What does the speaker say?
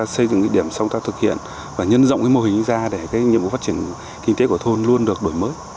xây dựng điểm sáng tác thực hiện và nhân rộng mô hình ra để nhiệm vụ phát triển kinh tế của thôn luôn được đổi mới